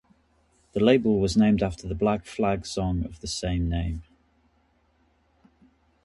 The label was named after the Black Flag song of the same name.